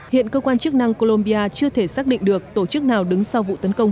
hiện cơ quan chức năng colombia chưa thể xác định được tổ chức nào đứng sau vụ tấn công